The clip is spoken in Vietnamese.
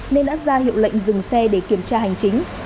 nên đã ra hiệu lệnh dừng xe để kiểm tra hành chính